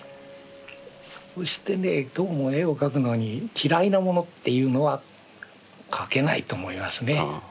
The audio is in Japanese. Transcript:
そしてねどうも絵を描くのに嫌いなものっていうのは描けないと思いますね。